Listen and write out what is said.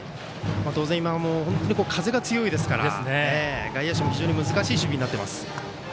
当然、風が強いですから外野手も非常に難しい守備になっています。